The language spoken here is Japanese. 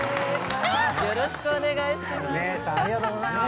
よろしくお願いします。